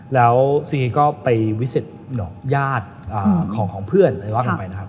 แล้วสีเคยก็ไปวิสิตอย่างหรือญาติของเพื่อนอะไรว่ากันไปนะครับ